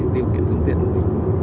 điều khiển phương tiện của mình